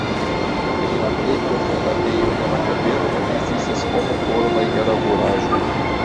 En la plej profunda ejo de la kaverno ekzistas homo-formaj gravuraĵoj.